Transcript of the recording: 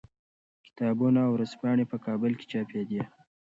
کتابونه او ورځپاڼې په کابل کې چاپېدې.